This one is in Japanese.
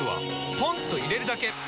ポンと入れるだけ！